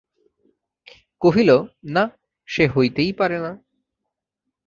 কহিল, না, সে হইতেই পারে না।